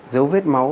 dấu vết máu